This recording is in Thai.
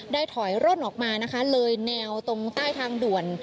ถอยร่นออกมานะคะเลยแนวตรงใต้ทางด่วน